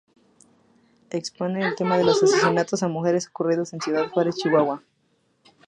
Expone el tema de los asesinatos a mujeres ocurridos en Ciudad Juárez, Chihuahua.